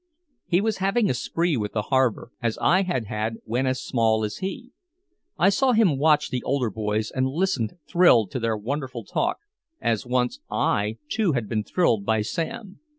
He was having a spree with the harbor, as I had had when as small as he. I saw him watch the older boys and listen thrilled to their wonderful talk as once I, too, had been thrilled by Sam.